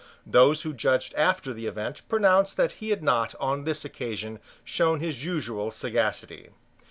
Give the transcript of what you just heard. Those who judged after the event pronounced that he had not, on this occasion, shown his usual sagacity.